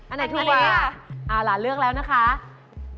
อันไหนถูกกว่าอาหลาเลือกแล้วนะคะอันนี้อะ